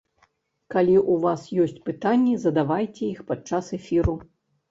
Калі ў вас ёсць пытанні, задавайце іх падчас эфіру!